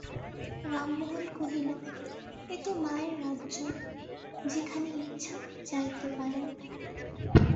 রামমোহন কহিল, এ তো মায়ের রাজ্য, যেখানে ইচ্ছা যাইতে পারেন।